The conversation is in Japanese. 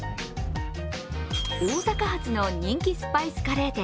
大阪発の人気スパイスカレー店